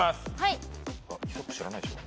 イソップ知らないでしょ？